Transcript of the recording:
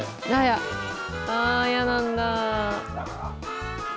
嫌なんだ。